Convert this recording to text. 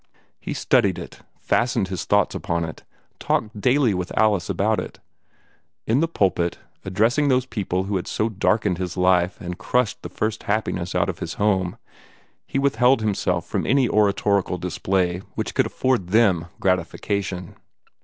He studied it, fastened his thoughts upon it, talked daily with Alice about it. In the pulpit, addressing those people who had so darkened his life and crushed the first happiness out of his home, he withheld himself from any oratorical display which could afford them gratification.